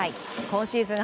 今シーズン